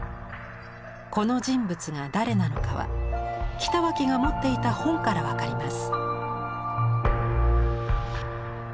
この人物が誰なのかは北脇が持っていた本から分かります。